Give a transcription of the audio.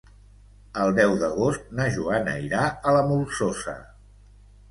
El deu d'agost na Joana irà a la Molsosa.